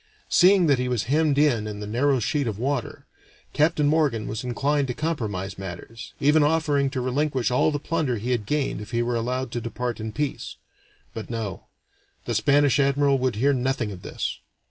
Seeing that he was hemmed in in the narrow sheet of water, Captain Morgan was inclined to compromise matters, even offering to relinquish all the plunder he had gained if he were allowed to depart in peace. But no; the Spanish admiral would hear nothing of this.